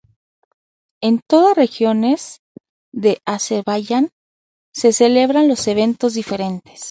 En todas regiones de Azerbaiyán se celebran los eventos diferentes.